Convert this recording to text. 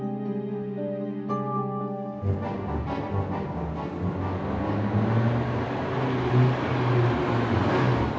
pak temon di depan